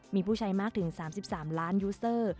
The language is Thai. มีผู้ใช้มากถึง๓๓ล้านยูสเตอร์